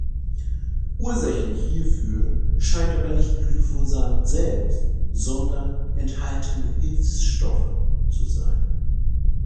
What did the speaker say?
Ursächlich hierfür scheint aber nicht Glyphosat selbst, sondern enthaltene Hilfsstoffe zu sein.